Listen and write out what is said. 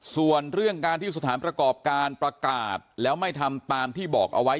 ส่วนเรื่องการที่สถานประกอบการประกาศแล้วไม่ทำตามที่บอกเอาไว้